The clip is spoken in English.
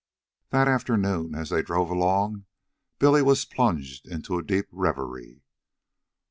That afternoon, as they drove along, Billy was plunged in a deep reverie.